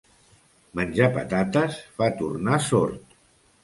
Menjar patates fa tornar sord.